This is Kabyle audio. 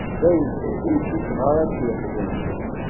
D awezɣi, ur cukkeɣ ara a tt-yexdem.